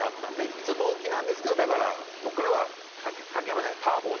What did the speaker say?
一応同期なんですけど僕らは竹山じゃない。